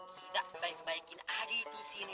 kita baik baikin adik itu sini